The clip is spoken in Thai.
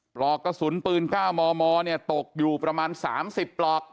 ปลอกกระสุนปืน๙มมตกอยู่ประมาณ๓๐ปลอก